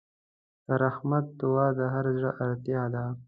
د رحمت دعا د هر زړه اړتیا ده.